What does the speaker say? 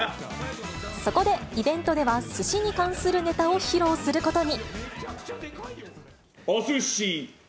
そこで、イベントではすしに関するネタを披露することに。